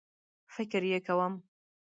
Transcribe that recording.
فکر یې کوم